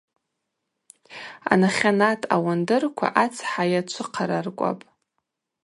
Анахьанат ауандырква ацхӏа йачвыхъараркӏвапӏ.